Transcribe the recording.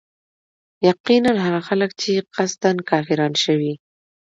يقيناً هغه خلک چي قصدا كافران شوي